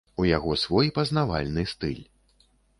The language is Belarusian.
У яго свой пазнавальны стыль.